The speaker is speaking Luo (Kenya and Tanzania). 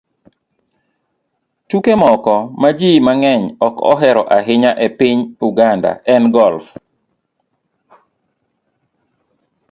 Tuke moko ma ji mang'eny ok ohero ahinya e piny Uganda en golf